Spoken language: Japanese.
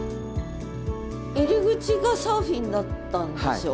入り口がサーフィンだったんでしょ？